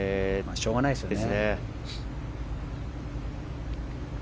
しょうがないですね。